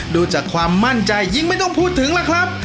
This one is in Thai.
ดูจากความมั่นใจยิ่งไม่ต้องพูดถึงล่ะครับ